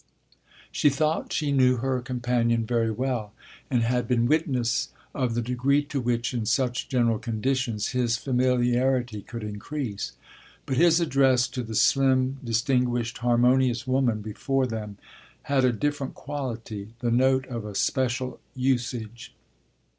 She thought she knew her companion very well and had been witness of the degree to which, in such general conditions, his familiarity could increase; but his address to the slim, distinguished, harmonious woman before them had a different quality, the note of a special usage.